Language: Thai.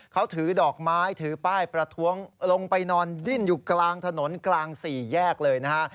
เขาถือดอกไม้ถือป้ายประท้วงลงไปนอนดิ้นอยู่กลางถนนกลางสี่แยกเลยนะฮะ